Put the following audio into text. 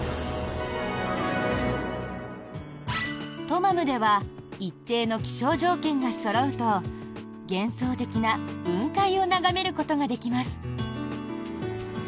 トマムでは一定の気象条件がそろうと幻想的な雲海を眺めることができます。